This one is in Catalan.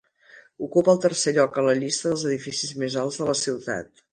Ocupa el tercer lloc en la llista dels edificis més alts de la ciutat.